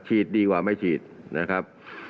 ดีกว่าไม่ฉีดนะครับ